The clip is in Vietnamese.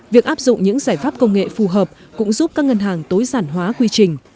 việc áp dụng những giải pháp công nghệ phù hợp cũng giúp các ngân hàng tối giản hóa quy trình